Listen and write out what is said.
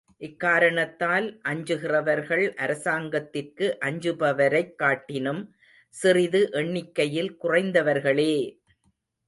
இக்காரணத்தால் அஞ்சுகிறவர்கள் அரசாங்கத்திற்கு அஞ்சுபவரைக் காட்டினும் சிறிது எண்ணிக்கையில் குறைந்தவர்களே!